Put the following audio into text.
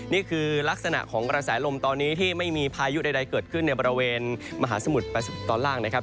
นี่คือลักษณะของกระแสลมตอนนี้ที่ไม่มีพายุใดเกิดขึ้นในบริเวณมหาสมุทรตอนล่างนะครับ